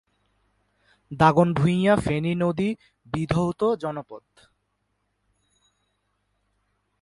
দাগনভূঞা ফেনী নদী বিধৌত জনপদ।